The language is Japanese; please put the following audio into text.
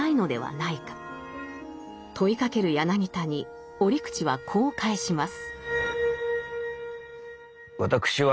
問いかける柳田に折口はこう返します。